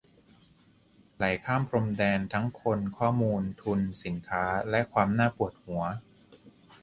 ไหลข้ามพรมแดน ทั้งคน ข้อมูล ทุน สินค้า และความน่าปวดหัว